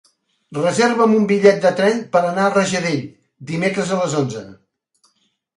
Reserva'm un bitllet de tren per anar a Rajadell dimecres a les onze.